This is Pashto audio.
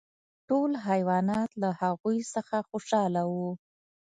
ټول حیوانات له هغوی څخه خوشحاله وو.